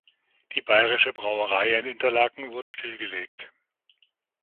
Die Bayrische Brauerei in Interlaken wurde stillgelegt.